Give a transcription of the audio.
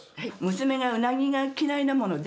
娘がウナギが嫌いなもので。